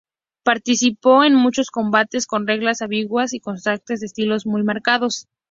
Participó en muchos combates con reglas ambiguas y contrastes de estilos muy marcados.